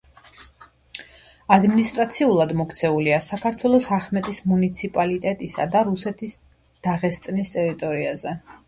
ადმინისტრაციულად მოქცეულია საქართველოს ახმეტის მუნიციპალიტეტისა და რუსეთის დაღესტნის ტერიტორიებზე.